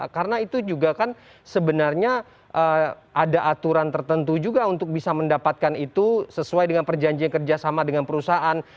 karena itu juga kan sebenarnya ada aturan tertentu juga untuk bisa mendapatkan itu sesuai dengan perjanjian kerja sama dengan perusahaan